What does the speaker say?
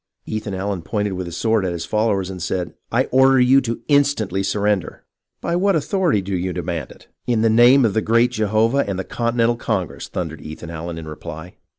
Ethan Allen pointed with his sword at his followers and said, " I order you instantly to surrender !"" By what authority do yoii demand it .''"" In the name of the Great Jehovah, and the Continental Congress !" thundered Ethan Allen in reply.